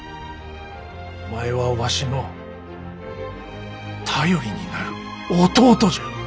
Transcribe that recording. お前はわしの頼りになる弟じゃ。